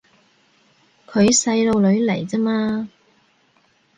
佢細路女嚟咋嘛